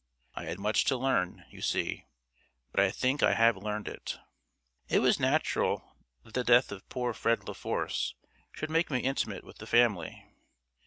I had much to learn, you see; but I think I have learned it. It was natural that the death of poor Fred La Force should make me intimate with the family.